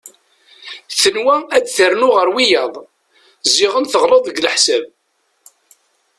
Tenwa ad ternu ɣer wiyaḍ ziɣen teɣleḍ deg leḥsab.